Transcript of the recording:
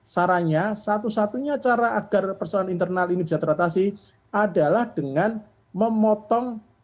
saranya satu satunya cara agar persoalan internal ini bisa teratasi adalah dengan memotong